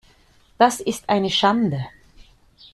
Das ist eine Schande.